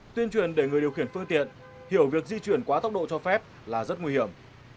tuyên truyền để người điều khiển phương tiện hiểu việc di chuyển quá tốc độ cho phép là rất nguy hiểm